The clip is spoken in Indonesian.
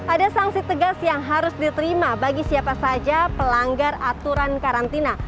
ada sanksi tegas yang harus diterima bagi siapa saja pelanggar aturan karantina